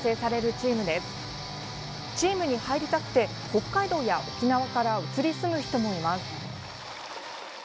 チームに入りたくて、北海道や沖縄から移り住む人もいます。